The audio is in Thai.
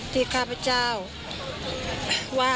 ที่ข้าพเจ้าว่า